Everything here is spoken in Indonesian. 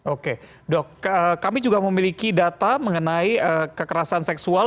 oke dok kami juga memiliki data mengenai kekerasan seksual